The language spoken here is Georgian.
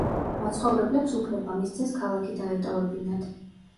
მაცხოვრებლებს უფლება მისცეს ქალაქი დაეტოვებინათ.